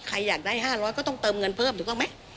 ถ้าใครอยากได้๕๐๐ก็ต้องเติมเงินเพิ่มถูกเปล่าไหม